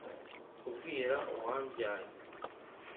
Kubwira uwambyaye